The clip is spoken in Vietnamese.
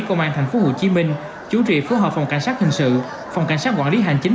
công an tp hcm chủ trị phối hợp phòng cảnh sát hình sự phòng cảnh sát quản lý hành chính